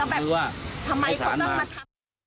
แบบว่าทำไมเขาต้องมาทำ